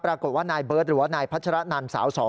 ปรากฏว่านายเบิร์ตหรือว่านายพัชรนันสาว๒